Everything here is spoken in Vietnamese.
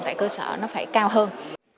tại cơ sở nó phải cao hơn